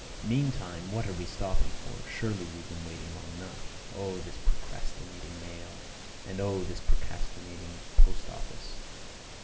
Meantime, what are we stopping for? Surely, we've been waiting long enough. Oh, this procrastinating mail, and oh this procrastinating post office!